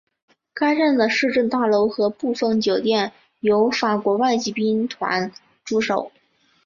该镇的市政大楼和部分酒店有法国外籍兵团驻守。